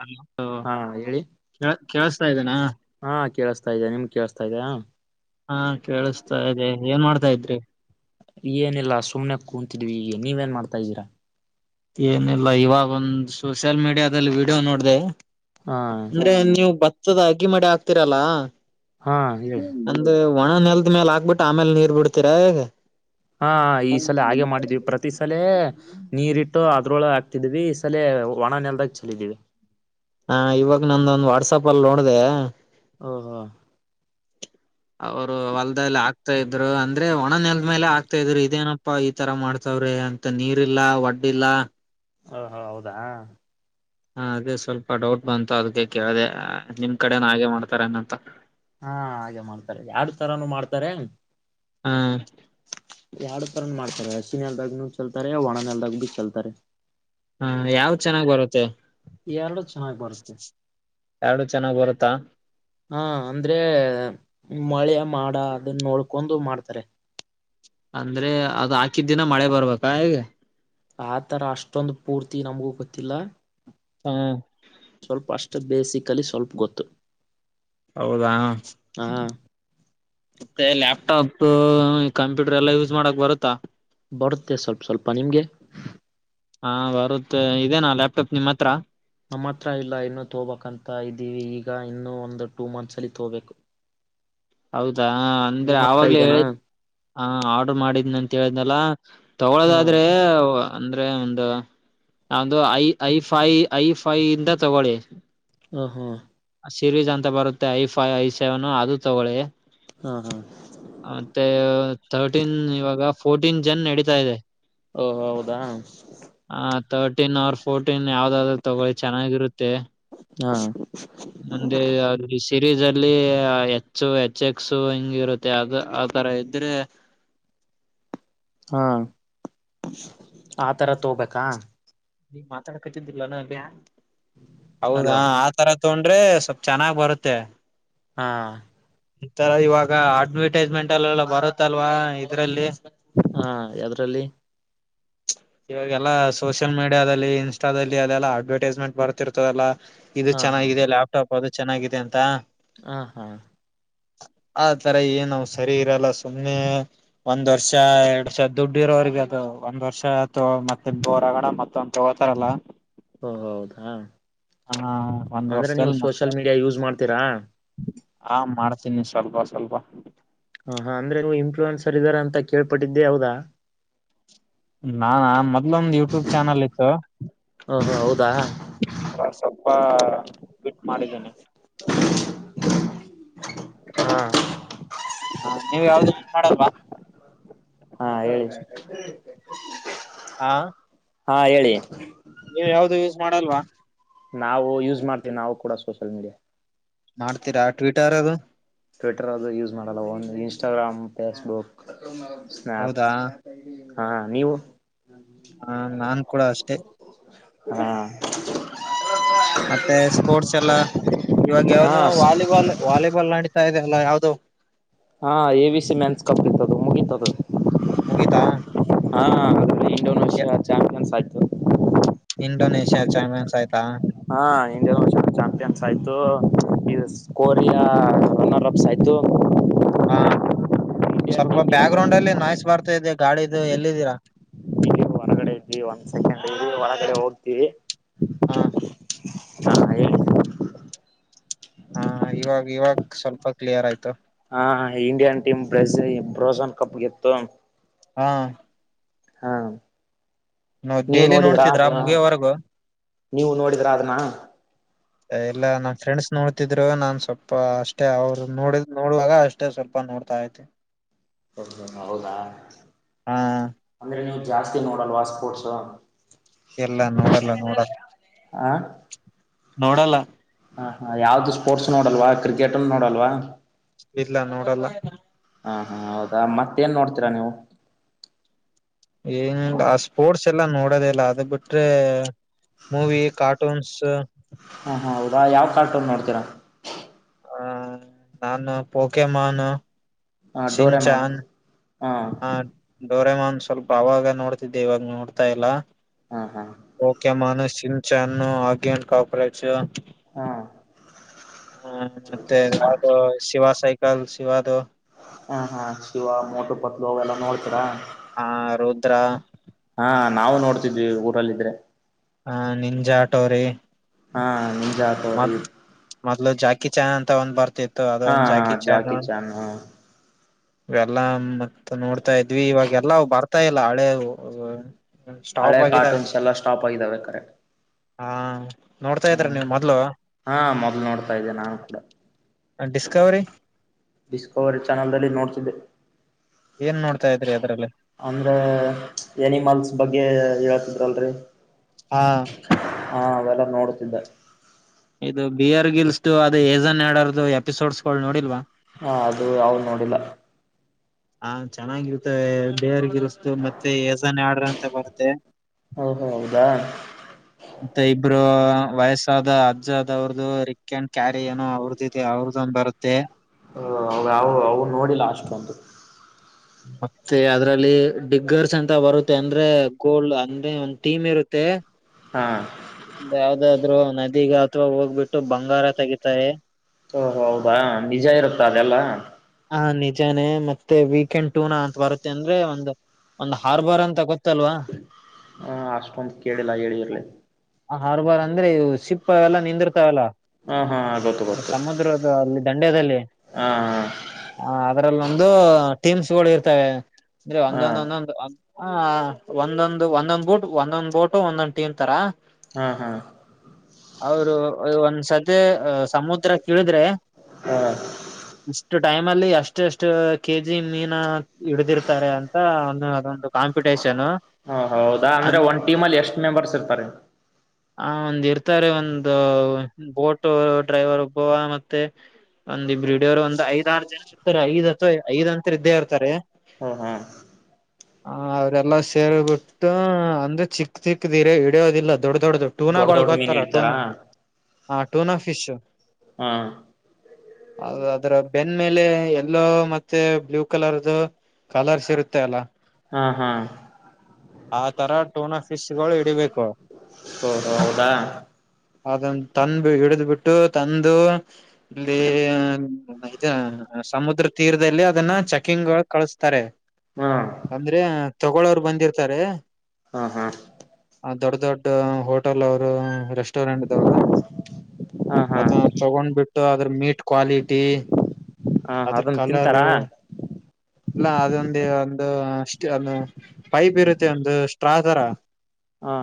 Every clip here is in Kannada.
ಹಲೋ ಹಾ ಹೇಳಿ ಕೇಳ ಕೇಳಸ್ತಾ ಇದ್ದೇನಾ ಹಾ ಕೇಳಸ್ತಾ ಇದದೆ ನಿಮ್ ಕೇೇಳಸ್ತಾ ಇದ ಹಾ ಕೇಳಸ್ತಾ ಇದೆ ಏನ್ ಮಾಡ್ತಾ ಇದ್ರಿ ಏನಿಲ್ಲ ಸುಮ್ನೆ ಕೂತಿದ್ವಿ ಈಗ ನೀವೇನ್ ಮಾಡ್ತಾ ಇದ್ದೀರಾ ಏನಿಲ್ಲ ಇವಾಗ ಒಂದು್ ಸೋಷಿಯಲ್ ಮೀಡಿಯಾದಲ್ಲಿ ವಿೀಡಿಯೋ ನೋಡಿದೆ ಹಾ ಅಂದ್ರೆ ನೀವು ಭತ್ತದ ಹಗೆ ಮಾಡಿ ಹಾಕ್ತಿೀರಲ್ಲಾ ಹಾ ಹೇಳಿ ಅಂದ್ರ ಒಣ ನೆಲ್ದ ಮೇಲೆ ಹಾಕ್ಬಿಟ್ಟ ಆಮೇಲೆ ನೀರ್ ಬಿಡ್ತೀರ ಏನ್? ಹಾ ಈ ಸಲ ಹಾಗೆ ಮಾಡಿದ್ವಿ ಪ್ರತಿ ಸಲ ನೀರಿಟ್ಟು ಅದ್ರೊಳಗೆ ಹಾಕ್ತಿದ್ವಿ ಈ ಸಲ ಒಣ ನೆಲ್ದಾಗ ಚಲಿದೀವಿ ಹಾ ಇವಾಗ ನಂದೊಂದ್ ವಾಟ್ಸಪ್ ಅಲ್ಲಿ ನೋಡಿದೆ ಹ ಹಾ ಅವರು ಹೊಲದದಲ್ಲಿ ಆಗ್ತಾ ಇದ್ರು ಅಂದ್ರೆ ಒಣ ನೆಲ್ ಮೇಲೆ ಆಗ್ತಾ ಇದ್ರು ಇದೇನಪ್ಪಾ ಈ ತರ ಮಾಡ್ತವ್ರಿ ಅಂತ ಮತ್ತ ನೀರ್ಲ್ಲ ವಡ್ಡಿಲ್ಲ ಹ ಹ ಹೌದಾ ಹ ಅದೇ ಸ್ವಲ್ಪ ಡೌಟ್ ಬಂತು ಅದಕ್ಕೆ ಕೇಳಿದೆ ನಿಮ್ ಕಡೆನ ಹಾಗೆ ಮಾಡ್ತಾರನಂತ ಹಾ ಹಾಗೆ ಮಾಡ್ತಾರೆ ಯಾರ ತರಾನೂ ಮಾಡ್ತಾರೆ ಹ ಎರಡು ತರ ಮಾಡ್ತಾರೆ ಹಸಿನಲ್ದಾಗ್ನು ಚಲ್ತಾರೆ ಒಣನೆಲ್ದಾಗ ಭ ಚಲ್ತಾರೆ ಹಾ ಯಾವ ಚೆನ್ನಾಗ್ ಬರುತ್ತೆ ಎರಡು ಚೆನ್ನಾಗ್ ಬರುತ್ತೆ ಎರಡು ಚೆನ್ನಾಗ್ ಬರುತ್ತಾ ಹಾ ಅಂದ್ರೆ ಮಳೆ ಮಾಡ ಅದನ್ನ ನೋಡ್ಕೊಂಡು ಮಾಡ್ತಾರೆ ಅಂದ್ರೆ ಅದು ಹಾಕಿದ್ದಿನ ಮಳೆ ಬರ್ಬೇಕಾ ಹೇಗೆ ಆ ತರ ಅಷ್ಟೊಂದು ಪೂರ್ತಿ ನಮಗೂ ಗೊತ್ತಿಲ್ಲ ಹ್ಮ ಸ್ವಲ್ಪ ಅಷ್ಟು ಬೇಸಿಕಲಿ ಸ್ವಲ್ಪ ಗೊತ್ತು ಹೌದಾ ಹಾ ಮತ್ತೆ ಲ್ಯಾಪ್ಟಾಪ್ ಕಂಪ್ಯೂಟರ್ ಎಲ್ಲಾ ಯೂಸ್ ಮಾಡಕ್ ಬರುತ್ತಾ ಬರುತ್ತೆ ಸ್ವಲ್ಪ ಸ್ವಲ್ಪ ನಿಮಗೆ ಹಾ ಬರುತ್ತೆ ಇದೇನಾ ಲ್ಯಾಪ್ಟಾಪ್ ನಿಮ್ಮ್ ಹತ್ರ ನಮ್ಮ ಹತ್ರ ಇಲ್ಲ ಇನ್ನುೂ ತೋಬಬೇಕಕ್ಂತ ಇದ್ದೀವಿ ಈಗ ಇನ್ನು ಒಂದು ಟೂ ಮಂತ್ಸ್ ಅಲ್ಲಿ ತೋಬೇಕು ಹೌದಾ ಅಂದ್ರೆ ನಿಮ್ಮ ಹತ್ರ ಆವಾಗ್ಲೇ ಹೇಳ ಇದೇನಾ ಹಾ ಆರ್ಡ್ರ ಮಾಡಿದ್ನ ಅಂತ ಹೇಳಿದ್ನಲ್ಲ ಹಾ ತಗೊಳೋದಾದ್ರೆ ಅಂದ್ರೆ ಒಂದು ನಂದು I I five I five ಇಂದ ತಗೊಳ್ಳಿ ಹಾಂ ಹಾ ಸಿರೀಜ್ ಅಂತ ಬರುತ್ತೆ ಐ ಫೈವ್ ಐ ಸೆವೆನ್ ಅದು ತಗೊಳ್ಳಿ ಹಾ ಹಾ ಮತ್ತೆ ತಥರ್ಟೀನ್ ಇವಾಗ ಫೋರ್ಟೀನ್ ಜನ್ ನಡೀತಾ ಇದೆ ಓ ಹೌದಾ ಹ ತರ್ಟೀನ್ ಅವರ್ ಫೋರ್ಟೀನ್ ಯಾವ್ದಾದ್ರು ತಗೊಳ್ಳಿ ಚೆನ್ನಾಗಿರುತ್ತೆ ಹಾ ನಂದೇ ಯ ಈ ಸಿರೀಸ್ ಅಲ್ಲಿ ಹೆಚ್ಚು ಹೆಚ್ ಎಕ್ಸ್ ಹಿಂಗ ಇರುತ್ತೆ ಅದು ಆ ತರ ಇದ್ರೆ ಹಾ ಆತರ ತಗೋಬೇಕಾ ಈ ಮಾತಾಡಕತಂತಿಲ್ಲ ಅ ಹೌದಾ ಹಲೋ ತರ ತೊಡ್ರೆ ಸ್ವಲ್ಪ್ ಚೆನ್ನಾಗ್ ಬರುತ್ತೆ ಹಾ ಈಥರ ಇವಾಗ ಅಡ್ವಟೈಸ್ಮೆಂಟ್ ಅಲ್ಲೆಲ್ಲ ಬರುತ್ತಲ್ವಾ ಇದ್ರಲ್ಲಿ ಹಾ ಅದ್ರಲ್ಲಿ ಇವಾಗೆಲ್ಲಾ ಸೋಷಿಯಲ್ ಮೀಡಿಯಾದಲ್ಲಿ ಇನ್ಸ್ಟಾದಲ್ಲಿ ಅದೆಲ್ಲಾ ಅಡ್ವರ್ಟೈಸ್ಮೆಂಟ್ ಬರುತ್ತೆ ರ್ತದಲ್ಲಾ ಇದು ಹಾ ಹಾ ಚೆನ್ನಾಗಿದೆ ಲ್ಯಾಪ್ಟಾಪ್ ಅದು ಚೆನ್ನಾಗಿದೆ ಅಂತ ಹ ಹಾ ಆತರ ಏನ್ ಸರಿ ಇರಲ್ಲ ಸುಮ್ನೆ ಒಂದ್ ವರ್ಷ ಎರಡ್ ವರ್ಷ ದುಡ್ಡು ಇರೋರ್ಗ ಅದು ಒಂದ್ ವರ್ಷ ಮತ್ತೆ ದೋರಗಡ ಮತ್ತೊಂದು ತೋತಾರಲ್ಲ ಓ ಹೌದಾ ಒಂದ್ ಅಂದರೆ ನೀವು ವರ್ಷದಲ್ಲಿ ಮತ್ತ ಸೋಷಲ್ ಮೀಡಿಯಾ ಯೂಸ್ ಮಾಡ್ತೀರಾ ಹಾ ಮಾಡ್ತೀನಿ ಸ್ವಲ್ಪ ಸ್ವಲ್ಪ ಹಾ ಹಾ ಅಂದ್ರೆ ನೀವು ಇಂಪ್ವೆೆನ್ ಸರ್ರಾರ ಅಂತ ಕೇಳ್ಟದ್ದೆ ಯಾವದಾ ನಾನಾ ಮೊದ್ಲು ಒಮ್ದ್ ಯೂಟ್ಯೂಬ್ ಚಾನಲ್ ಇತ್ತು ಓ ಹೌದಾ ಹ ಸ್ವಲ್ಪ ಬಿಟ್ ಮಾಡಿದ್ದೇನೆ ಹಾ ಹಾ ನೀವು ಯಾವುದು ಯೂಸ್ ಮಾಡಲ್ವಾ ಹಾ ಹೇಳಿ ಹಾ ಹಾ ಹೇಳಿ ನೀವ್ ಯಾವ್ದು ಯೂಸ್ ಮಾಡಲ್ವಾ. ನಾವು ಯೂಸ್ ಮಾಡ್ತೀವಿ ನಾವು ಕೂಡ ಸೋಷಲ್ ಮೀಡಿಯಾ ಮಾಡಾತೀರಾ ಟ್ವೀಟ್ರ್ ಅದು ಟ್ವಿಟರ್ ಅದುದು ಯೂಸ್ ಮಾಡೋಲ್ಲ ಒಂದು ಇನ್ಸ್ಟಾಗ್ರಾಮ್ ಫೇಸ್ಬುಕ್ ಸ್ನ್ಯಾಪ್ ಹೌದಾ ಹಾ ನೀವು ಹಾ ನಾನ್ ಕೂಡ ಅಷ್ಟೇ. ಹಾ ಮತ್ತೆ ಸ್ಪೋರ್ಟ್ಸ್ ಎಲ್ಲ ಇವಾಗ ಹಾ ಯಾವನು ವಾಲಿಬಾಲ್ ವಾಲಿಬಾಲ್ ನಡೀತಾ ಇದೆ ಅಲ್ಲ ಯಾವ್ದೂ. ಹಾ A B C men's cup ಇತ್ತತದು ಮುಗತದು. ಮುಗಿತಾ ಹಾ ಇಂಡೋನೇಷಿಯ ಚಾಂಪಿಯನ್ಸ್ ಆಯ್ತು. ಇಂಡೋನೇಷಿಯ್ಯಾ ಚಾಂಪಿಯನ್ಸ್ ಆಯ್ತಾ. ಹಾ ಇಂಡಿಯಷ ಚಾಂಪಿಯನ್ಸ್ ಆಯ್ತು ಕೋರಿಯಾ ರನ್ನರ್ ಆಫ್ ಆಯಿತು. ಹಾ ಸ್ವಲ್ಪ ಬ್ಯಾಕ್ ಗ್ರೌಂಡ್ ಅಲ್ಲಿ ನಾಯ್ಸ್ ಬರ್ತಾ ಇದೆ ಗಾಳಿದು ಎಲ್ಲಿದ್ದೀರಾ ಇಲ್ಲಿ ಹೊರಗಡೆ ಒಂದ್ ಸೆಕೆಂಡ್ ಒಳಗಡೆ ಹೋಗ್ತೀವಿ ಹಾಂ ಹಾ ಹೇಳ ಹಾ ಇವಾಗ ಇವಾಗ ಸ್ವಲ್ಪ ಕ್ಲಿಯರ್ ಆಯ್ತು ತಗೋ ಹಾ ಇಂಡಿಯನ್ ಟೀಮ್ ಬೇಸ ಬ್ರೋಸನ್ ಕಪ್ಗೆತ್ತು ಹಾ ಹಾ ನೋ ನೀವು ಡೈಲಿ ನೋಡಿದ್ರಾ ನೋಡ್ತಿದ್ರಾ ಅದ ಮುಗಿಯವರೆಗೂ ನೀವು ನೋಡಿದ್ರ ಅದನ್ನ [inaudible] ಇಲ್ಲ ನನ್ ಫ್ರೆಂಡ್ಸ್ ನೋಡ್ತಿದ್ರು ನಾನ್ ಸ್ವಲ್ಪ ಅಷ್ಟೇ ಅವ್ರು ನೋಡ ನೋಡುವಾಗ ಅಷ್ಟ ಸ್ವಲ್ಪ ನೋಡ್ತಾ ಐತೆ ಹೌದ ಹೌದಾ ಹಾ ಅಂದ್ರೆ ನೀವು ಜಾಸ್ತಿ ನೋಡಲ್ವಾ ಸ್ಪೋರ್ಟ್ಸ ಎಲ್ಲ ನೋಡಲ್ಲ ನೋಡಲ್ಲ ಹ ನೋಡಲ್ಲ ಹಾ ಹಾ ಯಾವ್ದು ಸ್ಪೋರ್ಟ್ಸ್ ನೋಡಲ್ವಾ ಕ್ರಿಕೆಟ್ ನೋಡಲ್ವಾ ಇಲ್ಲ ನೋಡಲ್ಲ ಹಾ ಹಾ ಹೌದಾ ಮತ್ತೇಏನ್ ನೋಡ್ತೀರಾ ನೀವು ಏನ್ ಆ ಸ್ಪೋರ್ಟ್ಸ್ ಎಲ್ಲಾ ನೋಡೋದ ಇಲ್ಲ ಅದ ಬಿಟ್ರೆ ಮೂವಿ ಕಾರ್ಟೂನ್ಸ್ ಹಾ ಹಾ ಹೌದ ಯಾವ ಕಾರ್ಟೂನ್ ನೋಡ್ತೀರಾ ಹ ನಾನು ಪಕೆಮಾನ ಹ ಡೋರೆಮಾನ್ ಸಿಂಚನ್ ಹಾ ಹ ಡೋರೆಮನ್ ಸ್ವಲ್ಪ ಅವಾಗ ನೋಡ್ತಿದ್ದೆ ಇವಾಗ ನೋಡ್ತಾ ಇಲ್ಲ ಹಾ ಹಾ ಓಕೆ ಮಾನ್ ಸಿನ್ ಚನ್ನು ಆ ಕಾಪರೇ ಹಾ ಹೂ ಮತ್ತೆ ಅದು ಶಿವ ಸೈಕಲ್ ಶಿವದು ಹಾ ಹಾ ಶಿವ ಮೋಟು ಪತ್ಲು ಅವು ಎಲ್ಲಾ ನೋಡ್ತೀರಾ ಹ ರುದ್ರ ಹಾ ನಾವು ನೋಡ್ತಿದ್ವಿ ಊರಲ್ಲ ಇದ್ರೆ ಹ ನಿನ್ಜ ಆಟೋ್ರೀ ಹಾ ನಿಜ ಮೊದ್ ಮೊದ್ಲು ಜಾಕಿ ಚಾನ್ ಅಂತ ಒಂದ್ ಬರ್ತಿತ್ತು ಅದ ಹಾ ಒಂದು ಜಾಕಿ ಚಾನ್ [inaudible] ಇವೆಲ್ಲ ಮತ್ತ ನೋಡ್ತಾ ಇದ್ವಿ ಇವಾಗೆಲ್ಲಾ ಬರ್ತಾ ಇಲ್ಲ ಹಳೆವು ಸ್ಟಾಪ್ ಹಳೆ ಆಗಿದಾವೆ ಕಾರ್ಟೂನ್ಸ್ ಎಲ್ಲ ಸ್ಟಾಪ್ ಆಗಾವೆ ಕರೆಕ್ಟ್ ಹಾ ನೋಡ್ತಾ ಇದ್ರ ಹ್ಮ ನೀವು ಮ ಹಾ ಮೊದ್ಲು ನೋಡ್ತಾ ಇದ್ದೆ ನಾನು ಕೂಡ ಡಿಸ್ಕವರಿ ಡಿಸ್ಕವರಿ ಚಾನಲ್ಲ್ ನೋಡ್ಸಿದ್ದೆ ಏನ್ ನೋಡ್ತಾ ಇದ್ರಿ ಅದರಲ್ಲಿ ಅಂದ್ರ ಏನಿಮಲ್ಸ್ ಬಗ್ಗೆ ಹೇಳಿತಿದ್ರಲ್ರರಿ ಹಾ ಹಾ ಅವೆಲ್ಲಾ ನೋಡ್ತಿದ್ದೆ ಇದು ಬಿಯರ್ ಗಿಲ್ಸ್ ಅದು ಏಜನ್ ಆಡಾರದು ಎಪಿಸೋಡ್ಸ್ಗಳು ನೋಡಿಲ್ವಾ ಹಾ ಅದು ಯಾವದ್ ನೋಡಿಲ್ಲಾ ಹಾ ಚೆನ್ನಾಗಿರ್ತ ಬೇರ್ಗಿರ್ಸ್ತು ಮತ್ತೆ ಯಸನ್ ಆಡ್ರ ಅಂತ ಬರುತ್ತೆ ಹಓ ಹ ಹೌದಾ ಮತ್ತೆ ಇಬ್ರು ವಯಸ್ಸಾದ ಅಜ್ಜದವ್ರ್ದು ರಿಕ್ ಅಂಡ್ ಕ್ಯಾರಿ ಏನು ಅವ್ರದ್ದು ಅವ್ರದೊಂದ ಬರುತ್ತೆ ಹ ಅವ ಯಾವವು ನೋಡಿಲ್ಲ ಅಷ್ಟೊಂದು ಮತ್ತೆ ಅದ್ರಲ್ಲಿ ಡಿಗ್ಗರ್ಸ್ ಅಂತ ಬರುತ್ತೆ ಅಂದ್ರೆ ಗೋಲ್ಡ್ ಅಂದ್ರೆ ಒಂದ್ ಟೀಮ್ ಇರುತ್ತೆ ಹಾ ಯಾವ್ದಾದ್ರು ನದಿಗ ಅಥವಾ ಹೋಗ್ಬಿಟ್ಟು ಬಂಗಾರ ತೆಗಿತಾರೆ ಓಹ ಹೌದಾ ನಿಜ ಇರುತ್ತಾ ಅದೆಲ್ಲಾ ಹ ನಿಜಾನೇ ಮತ್ತೆ ವೀಕೆಂಡ್ ಟೂನಾ ಅಂತ ಬರುತ್ತೆ ಅಂದ್ರೆ ಒಂದು ಒಂದ್ ಹಾರ್ಬರ್ ಅಂತ ಗೊತ್ತಲ್ವಾ ಹ ಅಷ್ಟೊಂದು ಕೇಳಿಲ್ಲ ಹೇಳಿರ್ಲಿ ಹರ್ಬಾರ್ ಅಂದ್ರೆ ಸಿಪ್ಪ ಎಲ್ಲ ನಿಂದಿರ್ತಾವಲ್ಲ ಹಾ ಹಾ ಗೊತ್ತು ಗೊತ್ತು ಸಮುದ್ರ ಅಲ್ಲಿ ದಂಡ್ಯದಲ್ಲಿ ಹಾ ಹ ಅದ್ರಲ್ಲಿ ಒಂದು ಟೀಮ್ಸ್ ಗಳು ಇರ್ತವೆ ಅಂದ್ರೆ ಹಾ ಒಂದೊಂದ ಒಂದೊಂದು ಹ ಒಂದೊಂದ್ ಒಂದೊಂದ್ ಬೊಟ್ ಒಂದೊಂದ್ ಬೋಟು ಒಂದೊಂದ್ ಟೀಮ್ ತರಾ ಹಾ ಹಾ ಅವರು ಒಂದ್ಸತಿ ಸಮುದ್ರ ಕಿಳಿದ್ರೆ ಹ್ಮ ಇಷ್ಟು ಟೈಮ್ ಅಲ್ಲಿ ಅಷ್ಟ ಎಷ್ಟು ಕೆ ಜಿ ಮೀನು ಹಿಡಿದಿರುತ್ತಾರೆ ಅಂತ ಒಂದು ಅದೊಂದು ಕಾಂಪಿಟೇಷನು ಹಾ ಹೌದಾ ಅಂದ್ರೆ ಒಂದ ಟೀಮ್ ಅಲ್ಲಿ ಎಷ್ಟ್ ಮೆಂಬರ್ಸ್ ಇರ್ತಾರೆ ಹ ಒಂದ್ ಇರ್ತಾರೆ ಒಂದು ಬೋಟ್ ಡ್ರೈವರ್ ಒಬ್ಬವ ಮತ್ತೆ ಒಂದ್ ಇಬ್ರು ಹಿಡೋರು ಒಂದ ಐದ ಆರು ಜನ ಇರ್ತಾರೆ ಐದ ಅಥವಾ ಐದ ಅಂತು ಇದ್ದೇ ಇರ್ತಾರೆ ಹ್ಮ ಹ್ಮ್ [unintelligible] ಹ ಅವ್ರಲ್ಲಾ ಸೇರ್ ಬಿಟ್ಟು ಅಂದ್ರೆ ಚಿಕ್ಕ ಚಿಕ್ ದಿರ ಹಿಡಿಯೋದಿಲ್ಲ ದೊಡ್ಡ ದೊಡ್ಡದು ದೊಡ್ಡ ಟೂಬಾಳು ದೊಡ್ಡ ಮೀನ್ ಗೋತ್ತಲ್ಲ ಹಿಡಿತಾರಾ ಟೋನಾ ಹಾ ಟೂನಾ ಫಿಶ್ ಹ್ಮ ಅ ಅದ್ರ ಬೆನ್ ಮೇಲೆ ಎಲ್ಲೋ ಮತ್ತೆ ಬ್ಲೂ ಕಲರ್ದು ಕಲರ್ಸ್ ಇರುತ್ತೆ ಅಲ್ಲಾ ಹಾ ಹಾ ಆ ತರಾ ಟೋನ ಫೀಶ ಗಳು ಇ ಮಳಿ ಹಿಡಿಬೇಕು ಹ ಹ ಹೌದಾ ಅದನ್ ತಂದು ಹಿಡಿದ್ ಬಿಟ್ಟು ತಂದು ಇಲ್ಲಿ ಮತ್ತೆ ಸಮುದ್ರ ತೀರದಲ್ಲಿ ಅದನ್ನ ಚೆಕಿಂಗ್ ಕಳಸತ್ತಾರೆ ಹಾ ಅಂದ್ರೆ ತಗಳೋರು ಬಂದಿರ್ತಾರೆ ಹಾ ಹಾ ದೊಡ್ ದೊಡ್ಡ ಹೋಟೆಲ್ ಅವರು ರೆಸ್ಟೋರೆಂಟ್ ದವರು ಹಾ ಹಾ ಅದ ತಗೊಂಡ್ ಬಿಟ್ಟು ಅದ್ರ ಮೀಟ್ ಕ್ವಾಲಿಟಿ ಹಾ ಅದ್ರ ಅದನ್ನ ಕಲರ್. ತಿಂತಾರಾ ಇಲ್ಲ ಅದೊಂದು ಒಂದು ಒ ಪೈಪ್ ಇರುತ್ತೆ ಒಂದು ಸ್ಟ್ರಾ ತರ ಹಾ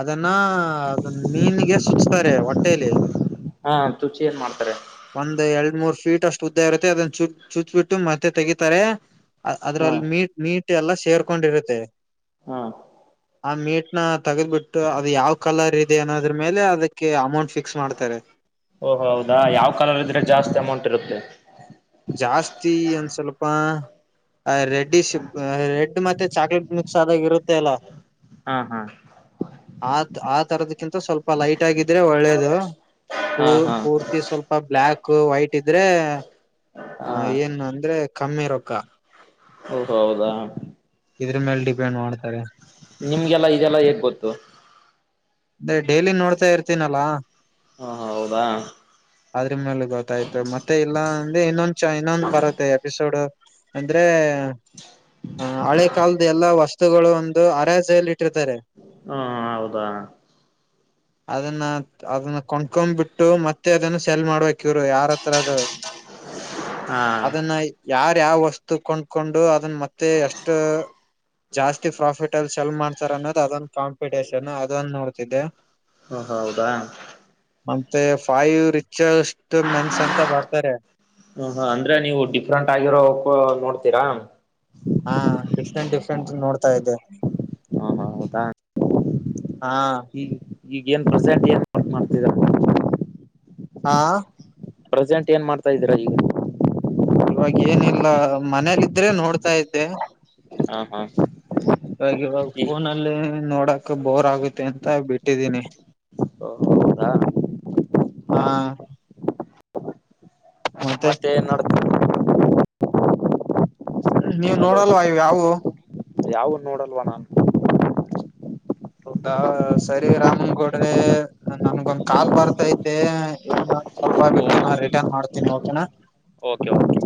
ಅದನ್ನ ಅದ ಮೀನ್ಗೆ ಸುಚ್ತಾರೆ ಹೊಟ್ಟೇಲಿ ಹಾ ಚುಚ್ಚಿ ಏನ್ ಮಾಡ್ತಾರೆ ಒಂದ್ ಎರಡ್ ಮೂರ್ ಫೀಟ್ ಅಷ್ಟು ಉದ್ದ ಇರುತ್ತೆ ಅದನ್ನ ಚು ಚುಚ್ಬಿಟ್ಟು ಮತ್ತೆ ತೆಗೀಿತಾರೆ ಹಾ ಅದ್ರಲ್ಲಿ ನೀ ನೀಟ್ ಎಲ್ಲ ಸೇರ್ಕೊಂಡಿರುತ್ತೆ ಹಾ ಆ ಮೀಟ್ ನ ತೆಗೆದ್ ಬಿಿಟ್ಟು ಅದು ಯಾವ್ ಕಲರ್ ಇದೆ ಅನ್ನೋದ್ರ ಮೇಲೆ ಅದಕ್ಕೆ ಅಮೌಂಟ್ ಫಿಕ್ಸ್ ಮಾಡ್ತಾರೆ ಓ ಹೌದಾ ಯಾವ್ ಕಲರ್ ಇದ್ರೆ ಜಾಸ್ತಿ ಅಮೌಂಟ್ ಇರುತ್ತೆ ಜಾಸ್ತಿ ಒಂದ್ ಸ್ವಲ್ಪ ರೆಡ್ಡಿ ರೆಡ್ ಮತ್ತೆ ಮತ್ತೆ ಚಾಕ್ಲೇಟ್ ಮಿಕ್ಸ್ ಆದಾಗ ಇರುತ್ತೆ ಅಲ್ಲ ಹಾ ಹಾ ಆ ಆ ತರದ್ಕ್ಕಿಂತ ಸ್ವಲ್ಪ ಲೈಟ್ ಆಗಿದ್ರೆ ಒಳ್ಳೇದು ಪೂ ಹಾ ಹಾ ಪೂರ್ತಿ ಸ್ವಲ್ಪ ಬ್ಲಾಕ್ ವೈಟ್ ಇದ್ರೆ ಹಾ ಹ ಏನ್ ಅಂದ್ರೆ ಕಮ್ಮಿ ರೊಕ್ಕ ಓಹೊ ಹೌದಾ ಇದ್ರ ಮೇಲೆ ಡಿಪೆಂಡ್ ಮಾಡ್ತಾರೆ ನಿಮ್ಗೆಲ್ಲಾ ಇದೆಲ್ಲ ಹೇಗ್ ಗೊತ್ತು ಅಂದ ಡೈಲಿ ನೋಡ್ತಾ ಇರ್ತೀನಲ್ಲಾ ಹಾ ಹೌದಾ ಅದ್ರ ಮೇಲೆ ಗೊತ್ತಾಯ್ತು ಮತ್ತೆ ಇಲ್ಲ ಅಂದೆ ಇನ್ನೊಂದು ಇನ್ನೊಂದು ಬರುತ್ತೆ ಎಪಿಸೋಡ್ ಅಂದ್ರೆ ಹ ಹಳೆ ಕಾಲದ ಎಲ್ಲಾ ವಸ್ತುಗಳು ಒಂದು ಅರಜ್ಯಲ್ಲಿ ಇಟ್ಟಿರ್ತಾರೆ ಹಾ ಹೌದಾ ಅದನ್ನ ಅದನ್ನ ಕಣ್ಕೊ್ಬಿಟ್ಟು ಮತ್ತೆ ಅದನ್ನ ಸೆಲ್ ಮಾಡ್ಬೇಕ್ ಕ್ಯರು ಯಾರ ಹತ್ರ ಅದು ಹಾ ಅದನ್ನ ಯಾರ ಯಾವ ವಸ್ತು ಕೊಂಡ್ಕೊಂಡು ಅದನ್ನ ಮತ್ತೆ ಎಷ್ಟು ಜಾಸ್ತಿ ಪ್ರಾಫಿಟ್ ಅಲ್ ಚಲ್ ಮಾಡ್ತಾರ ಅನ್ನೋದು್ ಅದೊಂದು ಕಾಂಪಿಟೇಷನ್ ಅದೊಂದು ನೋಡ್ತಿದ್ದಿದೆ ಓ ಹೌದಾ ಮತ್ತೆ ಫೈ ರಿಚ್ಷ್ಟ ಮೆನ್ಸ್ ಅಂತ ಬರ್ತಾರೆ ಹ ಹ ಅಂದ್ರೆ ನೀವು ಡಿಫ್ರಂಟ್ ಆಗಿರೋ ಹ ನೋಡ್ತೀರಾ ಹಾ ಡಿಫ್ರೆಂಟ್ ಡಿಫ್ರೆಂಟ್ ನೋಡ್ತಾ ಇದ್ದೆ ಹ ಹೌದಾ ಹಾ ಈ ಈಗ ಏನ್ ಪ್ರೆಸೆಂಟ್ ಏನ್ ಮಾಡ್ತಿದ ಹಾ ಪ್ರೆಸೆಂಜ್ ಏನ್ ಮಾಡ್ತಾ ಇದೀರಾ ಈಗ ಇವಾಗ ಏನಿಲ್ಲ ಮನೇಲಿ ಇದ್ರೆ ನೋಡ್ತಾ ಇದ್ದೆ ಹಾ ಹಾ ಇವಾಗ ಇವಾಗ ಈ ಫೋನಲ್ಲಿ ನೋಡಕ ಬೋರ್ ಆಗುತ್ತೆ ಅಂತ ಬಿಟ್ಟಿದ್ದೀನಿ ಓ ಹೌದಾ ಹಾ ಮತ್ತೆ ನಡ್ತರು ನೀವು್ ಹಲೋ ನೋಡಲ್ವ ಇ್ ಯಾವು ಯಾವ ನೋಡಲ್ವ ನಾು ದ ಸರಿ ರಾಮನ್ಗೌಡ್ರೆ ನನ್ಗೊಂದ್ ಕಾಲ್ ಬರ್ತೈತೆ ಸ್ವಲ್ಪ ಬಿಟ್ಟು ನಾ ರಿಟರ್ನ್ ಮಾಡ್ತೀನಿ ಓಕೆನಾ ಓಕೆ ಓಕೆ